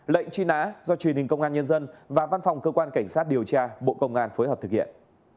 lệnh truy nã do truyền hình công an nhân dân và văn phòng cơ quan cảnh sát điều tra bộ công an phối hợp thực hiện